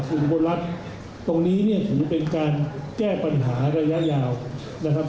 คุณบนรัฐตรงนี้เนี่ยถือเป็นการแก้ปัญหาระยะยาวนะครับ